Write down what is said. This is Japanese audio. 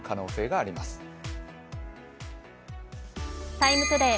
「ＴＩＭＥ，ＴＯＤＡＹ」